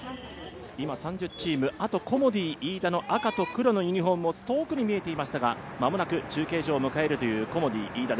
今３０チーム、あとコモディイイダの赤と黒のユニフォームが遠くに見えていましたが、間もなく中継所を迎えるコモディイイダ。